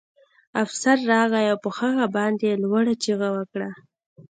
افسر راغی او په هغه باندې یې لوړه چیغه وکړه